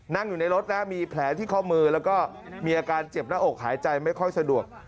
นั่งอยู่ในรถนะมีแผลที่ข้อมือแล้วก็มีอาการเจ็บหน้าอกหายใจไม่ค่อยสะดวก